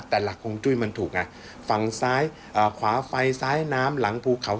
แต่หลักฮวงจุ้ยมันถูกไงฝั่งซ้ายเอ่อขวาไฟซ้ายน้ำหลังภูเขา